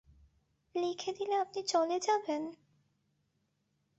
লিখে দিলে আপনি চলে যাবেন?